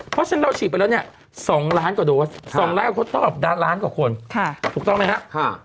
เพราะฉะนั้นเราฉีดไปแล้วเนี่ย๒ล้านกว่าโดส๒ล้านคนต้องออกล้านกว่าคนถูกต้องไหมครับ